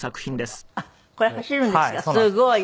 すごい。